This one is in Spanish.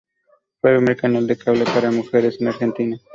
Fue el primer canal de cable para mujeres en Argentina.